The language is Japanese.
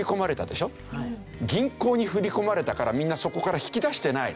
銀行に振り込まれたからみんなそこから引き出してない。